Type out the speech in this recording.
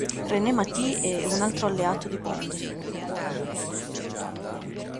René Mathis è un altro alleato di Bond.